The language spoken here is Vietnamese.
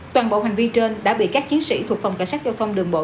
toàn bộ hành vi trên đã bị các chiến sĩ thuộc phòng cảnh sát giao thông đường bộ